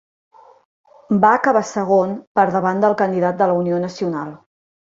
Va acabar segon per davant del candidat de la Unió Nacional.